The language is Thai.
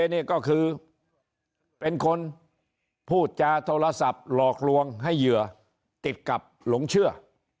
นี่ก็คือเป็นคนพูดจาโทรศัพท์หลอกลวงให้เหยื่อติดกับหลงเชื่อ